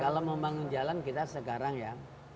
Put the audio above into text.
kalau membangun jalan kita sekarang ya